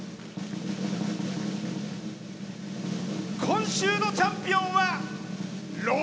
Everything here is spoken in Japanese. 今週のチャンピオンは。